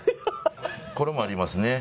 これもありますね。